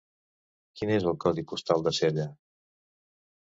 Quin és el codi postal de Sella?